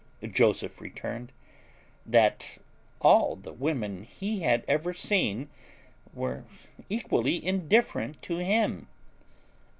Joseph returned, that all the women he had ever seen were equally indifferent to him.